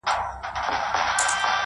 پر خپل جنون له دې اقرار سره مي نه لګیږي-